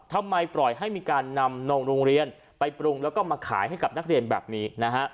ทำไมปล่อยให้มีการนำนงโรงเรียนไปปรุงแล้วก็มาขายให้กับนักเรียนแบบนี้นะฮะ